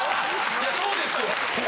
いやそうですよ。